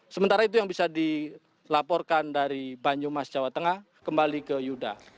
sementara itu yang bisa dilaporkan dari banyumas jawa tengah kembali ke yuda